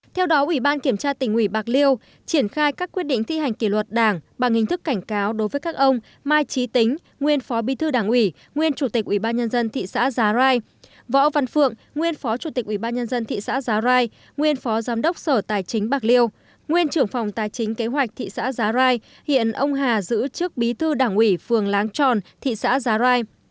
theo đó ủy ban kiểm tra tỉnh ủy bạc liêu triển khai các quyết định thi hành kỷ luật đảng bằng hình thức cảnh cáo đối với các ông mai trí tính nguyên phó bí thư đảng ủy nguyên chủ tịch ủy ban nhân dân thị xã giá rai võ văn phượng nguyên phó chủ tịch ủy ban nhân dân thị xã giá rai nguyên phó giám đốc sở tài chính bạc liêu nguyên trưởng phòng tài chính kế hoạch thị xã giá rai hiện ông hà giữ trước bí thư đảng ủy phường láng tròn thị xã giá rai